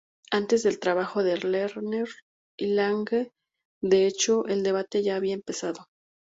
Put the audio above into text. Antes del trabajo de Lerner y Lange, de hecho el debate ya había empezado.